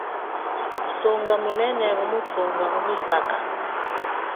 Lusonga munene ngumuthumba mumuphaka.